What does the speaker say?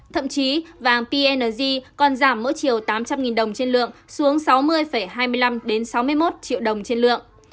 thậm chí giá vàng pnz còn giảm mỗi chiều tám trăm linh đồng trên lượng xuống sáu mươi hai mươi năm đến sáu mươi một triệu đồng trên lượng